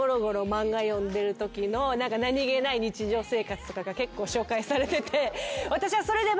漫画読んでるときの何げない日常生活とかが結構紹介されてて私はそれで。